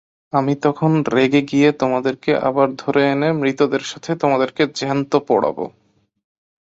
আমি তখন রেগে গিয়ে তোমাদেরকে আবার ধরে এনে মৃতদের সাথে তেমাদেরকে জ্যান্ত পোড়াব।